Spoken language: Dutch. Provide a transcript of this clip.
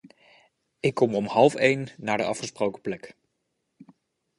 Ik kom om half een naar de afgesproken plek.